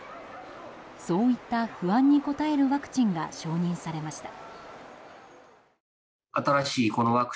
そういった不安に応えるワクチンが承認されました。